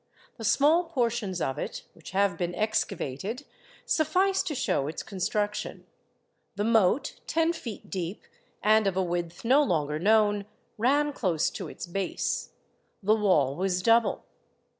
The small portions of it which have been excavated suffice to show its construction. The moat, ten feet deep, and of a width no longer known, ran close to its base. The wall was double.